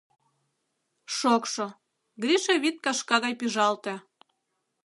— Шокшо, — Гриша вӱд кашка гай пӱжалте.